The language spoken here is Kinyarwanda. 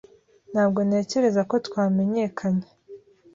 Ntabwo ntekereza ko twamenyekanye.